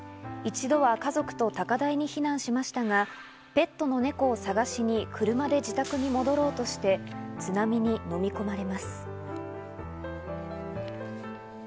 一度は家族と高台に避難しましたが、ペットの猫を探しに車で自宅に戻ろうとして津波にのみ込まれます。